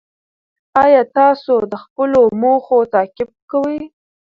ایا تاسو د خپلو موخو تعقیب کوئ؟